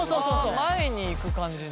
前に行く感じだ。